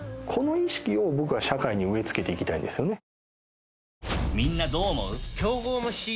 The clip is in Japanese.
この意識を僕は社会に植え付けていきたいですよね。